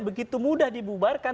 begitu mudah dibubarkan